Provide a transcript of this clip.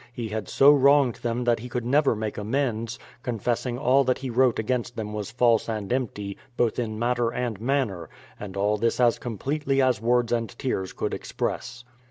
he had so wronged them that he could never make amends, confessing all that he wrote against them was false and empty, both in matter and manner — and all this as completely as words and tears could express.